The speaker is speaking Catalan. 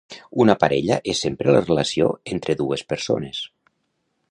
Una parella és sempre la relació entre dues persones.